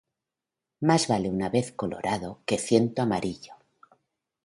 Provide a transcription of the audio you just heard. Más vale una vez colorado que ciento amarillo